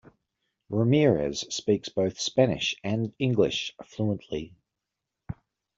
Ramirez speaks both Spanish and English fluently.